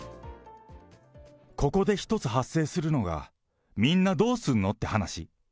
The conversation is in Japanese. ここで一つ発生するのが、みんなどうすんの？って話。